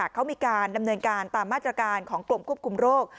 เขามีการดำเนินการตามมาตรการของกรมควบคุมโรค